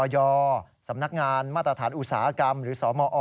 สำนักงานมาตรฐานอุตสาหกรรมหรือสมอ